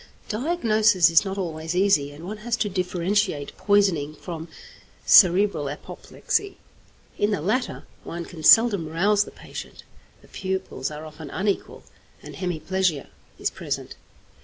Diagnosis is not always easy, and one has to differentiate poisoning from cerebral apoplexy. In the latter one can seldom rouse the patient, the pupils are often unequal, and hemiplegia is present.